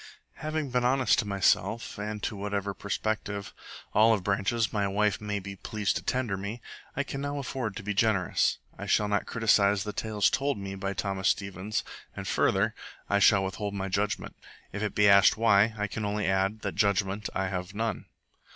Having been honest to myself, and to whatever prospective olive branches my wife may be pleased to tender me, I can now afford to be generous. I shall not criticize the tales told me by Thomas Stevens, and, further, I shall withhold my judgment. If it be asked why, I can only add that judgment I have none.